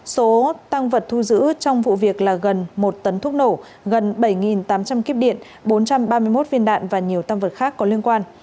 số tăng vật thu giữ trong vụ việc là gần một tấn thuốc nổ gần bảy tám trăm linh kiếp điện bốn trăm ba mươi một viên đạn và nhiều tam vật khác có liên quan